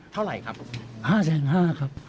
เท่าไหร่ครับห้าแสงห้าครับ